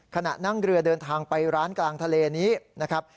ขณะนั่งเรือเดินทางไปร้านกลางทะเลนี้นะครับ